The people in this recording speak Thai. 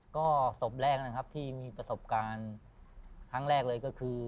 ก็ศพแรกนะครับที่มีประสบการณ์ครั้งแรกเลยก็คือ